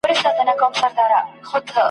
ما چي څه لیکلي د زمان بادونو وړي دي !.